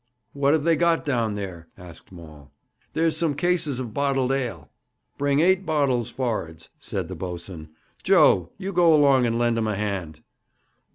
'What have they got down there?' asked Maul. 'There's some cases of bottled ale.' 'Bring eight bottles for'ards,' said the boatswain. 'Joe, go you along and lend him a hand.'